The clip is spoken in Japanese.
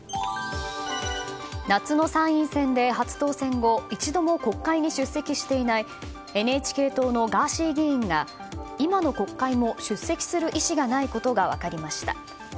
夏の参院選で初当選後一度も国会に出席していないＮＨＫ党のガーシー議員が今の国会を出席する意思がないことが分かりました。